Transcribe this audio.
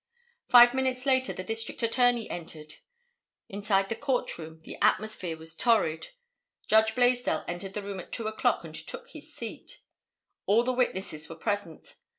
Five minutes later the District Attorney entered. Inside the court room the atmosphere was torrid. Judge Blaisdell entered the room at 2 o'clock and took his seat. All the witnesses were present.